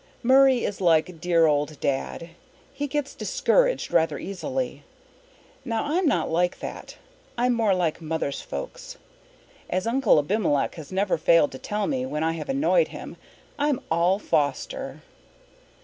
Murray is like dear old Dad; he gets discouraged rather easily. Now, I'm not like that; I'm more like Mother's folks. As Uncle Abimelech has never failed to tell me when I have annoyed him, I'm "all Foster."